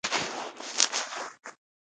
عاد هره ورځ د باران په تمه وو.